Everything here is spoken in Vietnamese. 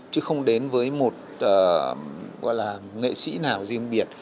chứ không đến với một nghệ sĩ nào riêng biệt